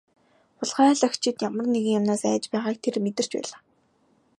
Хулгайлагчид ямар нэгэн юмнаас айж байгааг тэр мэдэрч байлаа.